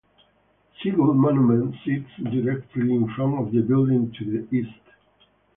Seagull Monument sits directly in front of the building to the east.